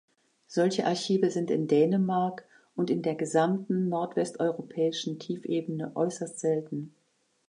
Solche Archive sind in Dänemark und in der gesamten Nordwesteuropäischen Tiefebene äußerst selten.